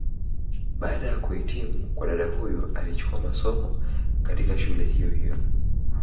Baada ya kuhitimu kwa dada huyu alichukua masomo, katika shule hiyo hiyo.